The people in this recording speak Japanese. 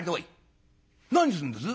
「何すんです？」。